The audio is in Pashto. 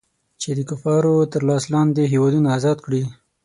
چې د کفارو تر لاس لاندې هېوادونه ازاد کړي.